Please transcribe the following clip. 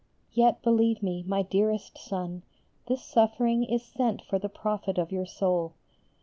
Yet, believe me, my dearest Son, this suffering is sent for the profit of your soul.